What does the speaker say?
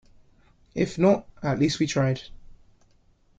If not, at least we tried.